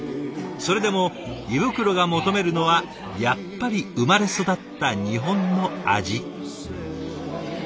それでも胃袋が求めるのはやっぱり生まれ育った日本の味。